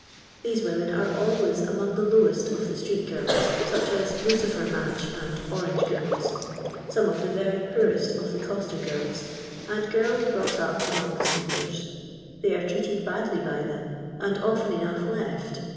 These women are always amonp tin* lowest of the Ntroct girls such as lucifer niatch and orange girls, honu" of thi' very poorrst of the coster girls, and 1,'irls brought up amon^' the sweepers. They ' are treated badly by thi>m, and often enough lett